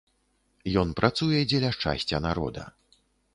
Ён працуе дзеля шчасця народа.